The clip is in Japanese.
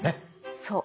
そう。